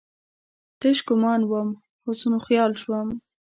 تش ګومان وم، حسن وخیال شوم